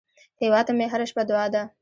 هیواد ته مې هره شپه دعا ده